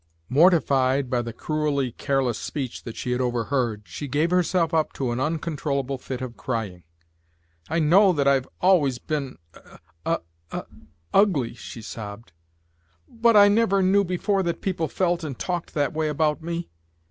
Mortified by the cruelly careless speech that she had overheard, she gave herself up to an uncontrollable fit of crying. "I know that I've always been uh uh ugly," she sobbed, "but I never knew before that people felt and talked that way about me!